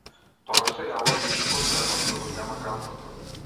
Тогаш се јавува вишокот вредност кој го зема газдата.